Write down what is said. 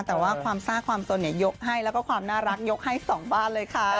แต่ว่าความซ่าความสนยกให้แล้วก็ความน่ารักยกให้สองบ้านเลยค่ะ